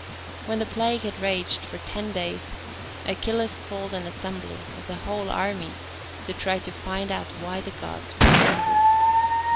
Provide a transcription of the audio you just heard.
When the plague had raged for ten days, Achilles called an assembly of the whole army, to try to find out why the Gods were angry.